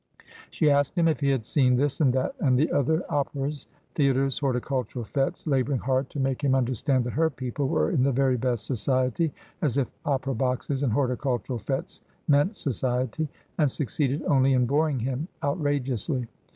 She asked him if he had seen this, and that, and the other — operas, theatres, horticultural fetes — labouring hard to make him understand that her people were in the very best society — as if opera boxes and horticultural fetes meant society ! and succeeded only in boring him outrageously.